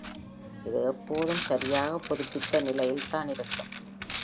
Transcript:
இது எப்போதும் சரியாக புதுப்பித்த நிலையில் தான் இருக்கும்.